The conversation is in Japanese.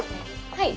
はい。